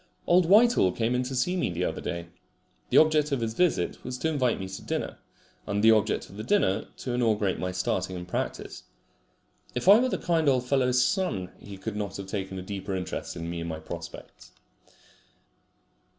Old Whitehall came in to see me the other day. The object of his visit was to invite me to dinner, and the object of the dinner to inaugurate my starting in practice. If I were the kind old fellow's son he could not take a deeper interest in me and my prospects.